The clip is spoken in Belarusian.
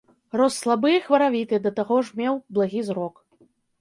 Рос слабы і хваравіты, да таго ж меў благі зрок.